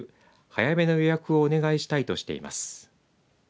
早めの予約をお願いしたいとしています。